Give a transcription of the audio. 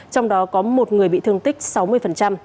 trong đó có một người bị thương tích sáu mươi